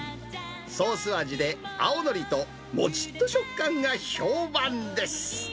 ソース味で青のりともちっと食感が評判です。